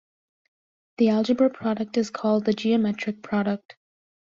The algebra product is called the "geometric product".